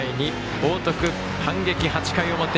報徳反撃、８回表。